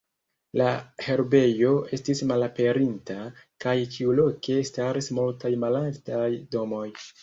La herbejo estis malaperinta, kaj ĉiuloke staris multaj malaltaj domoj.